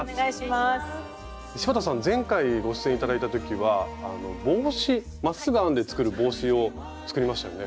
前回ご出演頂いた時は帽子まっすぐ編んで作る帽子を作りましたよね？